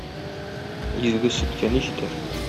Изге сөткә ни җитәр!..